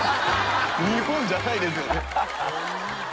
日本じゃないですよね。